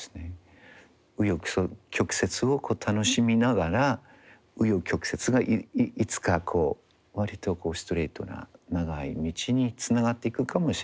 紆余曲折を楽しみながら紆余曲折がいつかこう割とストレートな長い道につながっていくかもしれないということ。